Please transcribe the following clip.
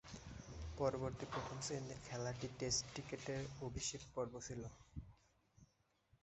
পরবর্তী প্রথম-শ্রেণীর খেলাটি টেস্ট ক্রিকেটে অভিষেক পর্ব ছিল।